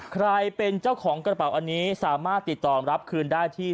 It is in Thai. ใครเป็นเจ้าของกระเป๋าอันนี้สามารถติดต่อรับคืนได้ที่